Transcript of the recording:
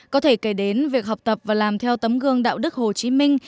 có thể kể đến việc học tập và làm theo tấm gương đạo đức hồ chí minh